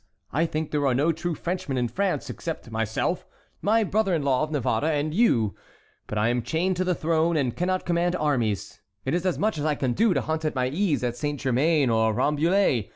I think there are no true Frenchmen in France, except myself, my brother in law of Navarre, and you; but I am chained to the throne, and cannot command armies; it is as much as I can do to hunt at my ease at Saint Germain or Rambouillet.